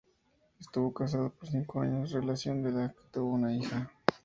Estuvo casado por cinco años, relación de la que tuvo una hija.